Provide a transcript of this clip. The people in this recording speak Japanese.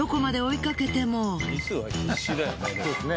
そうですね。